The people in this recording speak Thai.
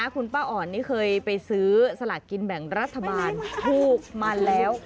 คุณป้าอ่อนนี่เคยไปซื้อสลากกินแบ่งรัฐบาลถูกมาแล้ว